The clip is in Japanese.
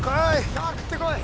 さあ食ってこい！